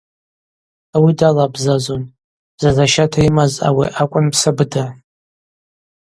Ауи далабзазун, бзазащата йымаз ауи акӏвын Псабыда.